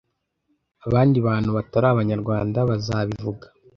abandi bantu batari abanyarwanda bazabivuga